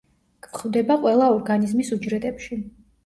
გვხვდება ყველა ორგანიზმის უჯრედებში.